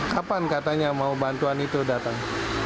kapan katanya mau bantuan itu datang